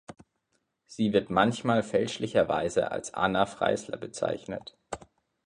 Sie wird manchmal fälschlicherweise als Anna Freisler bezeichnet.